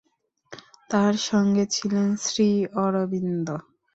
তাঁর সঙ্গে ছিলেন শ্রী অরবিন্দ।